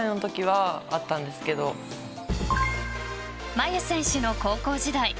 真佑選手の高校時代。